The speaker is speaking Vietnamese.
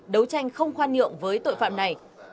đấu tranh không khoan nhượng với tội phạm này